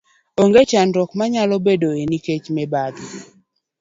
onge chandruok ma nyalo bedoe nikech mibadhi.